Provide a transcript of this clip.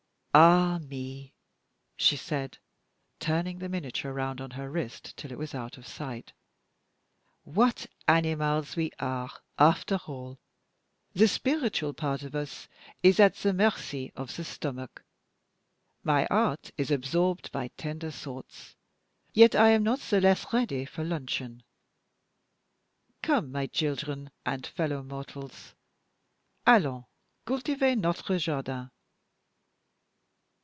"Ah me!" she said, turning the miniature round on her wrist till it was out of sight. "What animals we are, after all! The spiritual part of us is at the mercy of the stomach. My heart is absorbed by tender thoughts, yet I am not the less ready for luncheon! Come, my children and fellow mortals. _Allons cultiver notre jardin!"